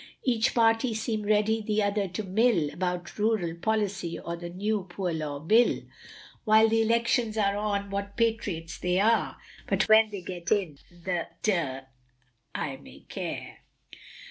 Each party seem ready the other to mill, About rural policy, or the new poor law bill. While the Elections are on, what patriots they are, But when they get in, the d l may care.